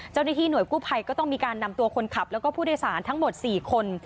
เจ้าหน้าที่หน่วยกู้ภัยก็ต้องมีการนำตัวคนขับแล้วก็ผู้โดยสารทั้งหมด๔คน